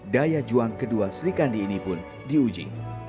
daya juang kedua serikandi ini pun diuji